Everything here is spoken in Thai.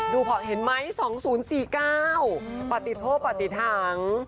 เห็นไหม๒๐๔๙ปฏิโทษปฏิถัง